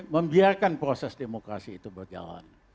membiarkan proses demokrasi itu berjalan